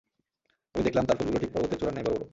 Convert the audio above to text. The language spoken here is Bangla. আমি দেখলাম, তার ফুলগুলো ঠিক পর্বতের চূড়ার ন্যায় বড় বড়।